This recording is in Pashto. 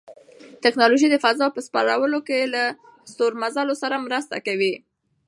تکنالوژي د فضا په سپړلو کې له ستورمزلو سره مرسته کوي.